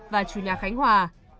và chủ nhà khánh hòa